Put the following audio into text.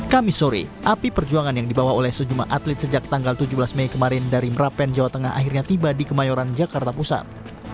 kami sore api perjuangan yang dibawa oleh sejumlah atlet sejak tanggal tujuh belas mei kemarin dari merapen jawa tengah akhirnya tiba di kemayoran jakarta pusat